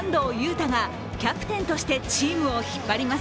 汰がキャプテンとしてチームを引っ張ります。